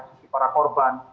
sisi para korban